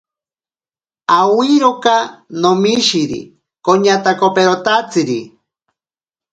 Awiroka nomishiri koñatakoperotatsiri.